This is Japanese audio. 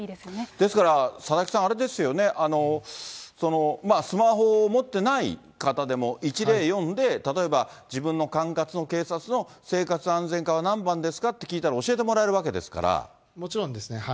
ですから、佐々木さん、あれですよね、スマホを持ってない方でも１０４で、例えば、自分の管轄の警察の生活安全課は何番ですかって聞いたら、もちろんですね。